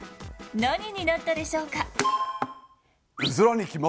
何になったでしょうか？